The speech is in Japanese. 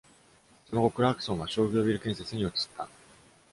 その後、クラークソンは商業ビル建設に移った。